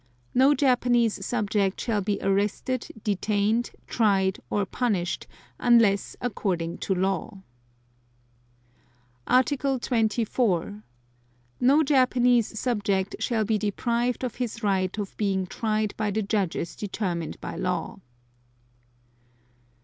No Japanese subject shall be arrested, detained, tried or punished, unless according to law. Article 24. No Japanese subject shall be deprived of his right of being tried by the judges determined by law.